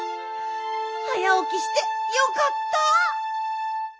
早おきしてよかった！